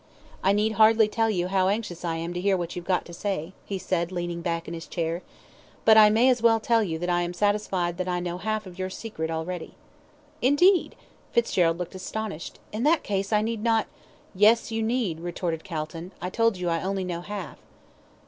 "I need hardly tell you how anxious I am to hear what you've got to say," he said, leaning back in his chair, "but I may as well tell you that I am satisfied that I know half your secret already." "Indeed!" Fitzgerald looked astonished. "In that case, I need not " "Yes, you need," retorted Calton. "I told you I only know half."